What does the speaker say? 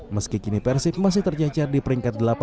meski kini persib masih tercacar di peringkat delapan